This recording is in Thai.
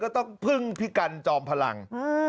ต้องพึ่งพี่กันจอมพลัง